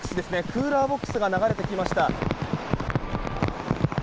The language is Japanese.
クーラーボックスが流れてきました。